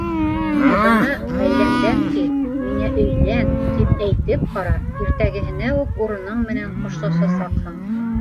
Ә бына ғаиләңдән кит, миңә өйлән, тип әйтеп ҡара - иртәгәһенә үк урының менән хушлашасаҡһың.